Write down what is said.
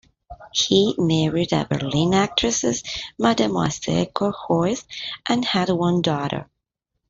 He married a Berlin actress, Mademoiselle Cochois and had one daughter.